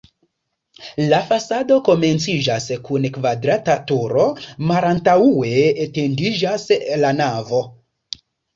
La fasado komenciĝas kun kvadrata turo, malantaŭe etendiĝas la navo.